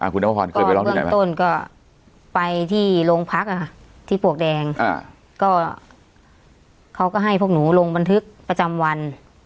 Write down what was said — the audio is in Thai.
ก่อนเรื่องต้นก็ไปที่โรงพักที่ปวกแดงเขาก็ให้พวกหนูลงบันทึกประจำวัน